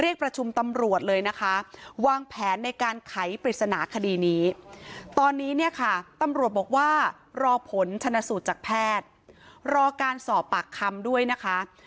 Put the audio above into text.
เรียกประชุมตำรวจเหล่าวางแผนในการไขปริศนาคดีตอนนี้ตำรวจบอกว่ารอผลชนะสูตรจากแพทย์รอการสอบปากคำ